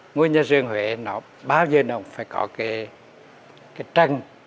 ngôi nhà rường huế nó bao giờ nó phải có cái trần